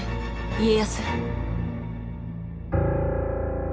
家康。